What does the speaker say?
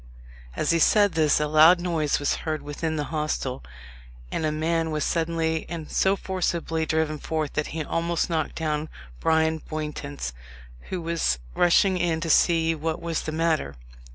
As he said this, a loud noise was heard within the hostel, and a man was suddenly and so forcibly driven forth, that he almost knocked down Bryan Bowntance, who was rushing in to see what was the matter.